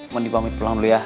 mau dipamit pulang dulu ya